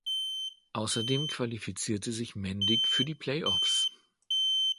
Außerdem qualifizierte sich Mendig für die Play-offs.